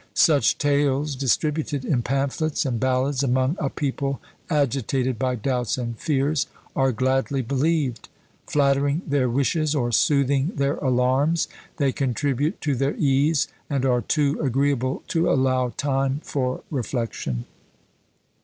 Such tales, distributed in pamphlets and ballads among a people agitated by doubts and fears, are gladly believed; flattering their wishes or soothing their alarms, they contribute to their ease, and are too agreeable to allow time for reflection.